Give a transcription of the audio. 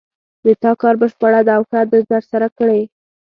د تا کار بشپړ ده او ښه د ترسره کړې